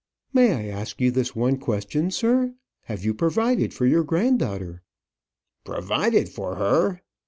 "May I ask you this one question, sir? Have you provided for your granddaughter?" "Provided for her!"